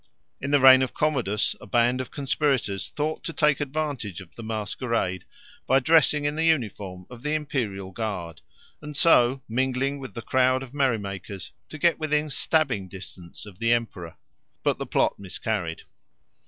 In the reign of Commodus a band of conspirators thought to take advantage of the masquerade by dressing in the uniform of the Imperial Guard, and so, mingling with the crowd of merrymakers, to get within stabbing distance of the emperor. But the plot miscarried.